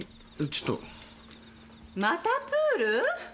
またプール？